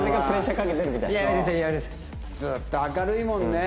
ずっと明るいもんね